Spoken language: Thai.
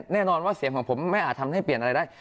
แน่นอนว่าเสียงของผมไม่อาจทำให้เปลี่ยนอะไรได้